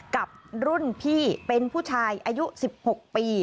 กับรุ่นพี่เป็นผู้ชายอายุ๑๖ปี